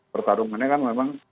pertarungannya kan memang